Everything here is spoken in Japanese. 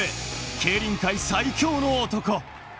競輪界最強の男。